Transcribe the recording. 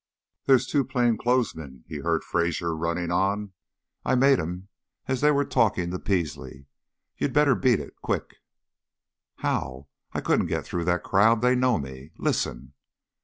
"There's two plain clothes men," he heard Fraser running on. "I 'made' 'em as they were talking to Peasley. You'd better 'beat' it, quick!" "How? I couldn't get through that crowd. They know me. Listen!"